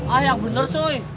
ah yang bener cuy